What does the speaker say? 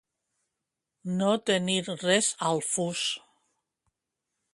No tenir res al fus.